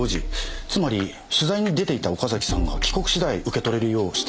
つまり取材に出ていた岡崎さんが帰国次第受け取れるよう指定されています。